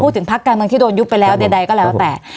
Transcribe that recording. พักการเมืองที่โดนยุบไปแล้วใดก็แล้วแต่